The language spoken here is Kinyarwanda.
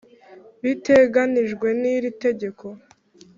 Biteganijwe n iri tegeko